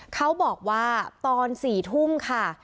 เขาบอกว่าตอน๔ทุ่มค่ะ